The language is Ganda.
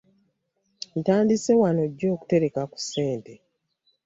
Ntandise wano jjo okutereka ku ssente.